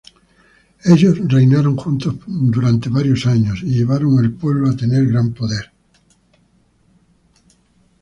Ellos reinaron juntos por varios años y llevaron al pueblo a tener gran poder.